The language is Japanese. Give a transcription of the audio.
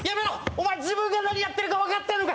お前自分が何やってるかわかってるのか？